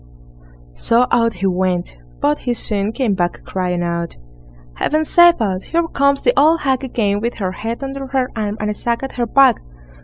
So out he went, but he soon came back crying out: "Heaven save us! Here comes the old hag again with her head under her arm, and a sack at her back."